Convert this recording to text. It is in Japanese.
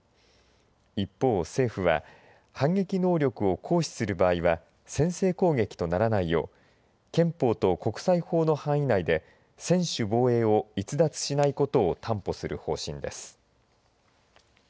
一方、政府は反撃能力を行使する場合は先制攻撃とならないよう憲法と国際法の範囲内で専守防衛を逸脱しないことを担保する方針です。